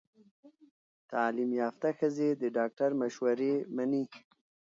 تعلیم یافته ښځې د ډاکټر مشورې مني۔